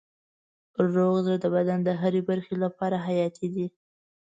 روغ زړه د بدن د هرې برخې لپاره حیاتي دی.